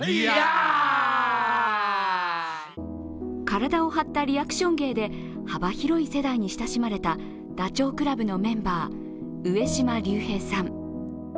体を張ったリアクション芸で幅広い世代に親しまれたダチョウ倶楽部のメンバー上島竜兵さん。